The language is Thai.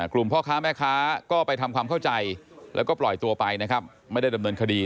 พ่อค้าแม่ค้าก็ไปทำความเข้าใจแล้วก็ปล่อยตัวไปนะครับไม่ได้ดำเนินคดี